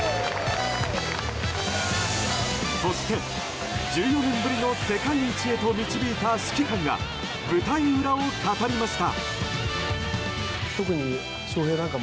そして、１４年ぶりの世界一へと導いた指揮官が舞台裏を語りました。